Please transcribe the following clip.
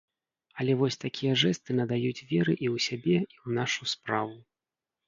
Але вось такія жэсты надаюць веры і ў сябе, і ў нашу справу.